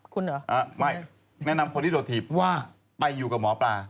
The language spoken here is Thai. คุณเหรอไม่แนะนำคนที่โดดถีบว่าไปอยู่กับหมอปลา